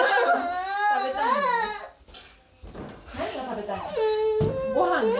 ごはんね。